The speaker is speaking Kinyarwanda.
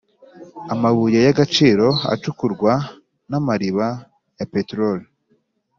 amabuye y’agaciro acukurwa n’amariba ya peterori.